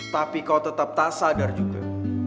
tapi kau tetap tak sadar juga